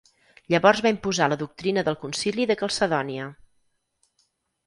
Llavors va imposar la doctrina del concili de Calcedònia.